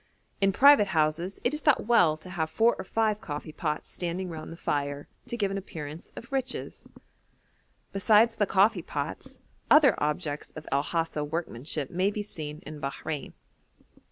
In private houses it is thought well to have four or five coffee pots standing round the fire, to give an appearance of riches. Besides the coffee pots, other objects of El Hasa workmanship may be seen in Bahrein.